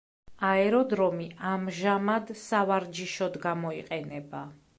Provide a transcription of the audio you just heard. აეროდრომი ამჟამად სავარჯიშოდ გამოიყენება.